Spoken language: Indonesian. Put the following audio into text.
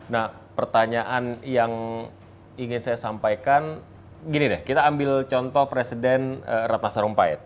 nah pertanyaan yang ingin saya sampaikan gini deh kita ambil contoh presiden ratna sarumpait